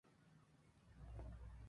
Está ubicado frente a la plaza Boyacá.